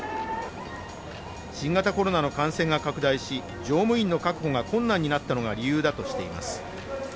新型コロナの感染が拡大し乗務員の確保が困難になったのが理由としています。